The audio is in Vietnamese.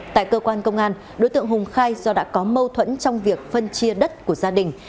tại cơ quan công an đối tượng hùng khai do đã có mâu thuẫn trong việc phân chia đất của gia đình